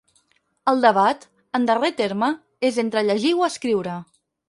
El debat, en darrer terme, és entre llegir o escriure.